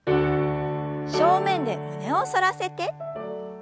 正面で胸を反らせて。